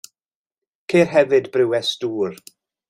Ceir hefyd brywes dŵr.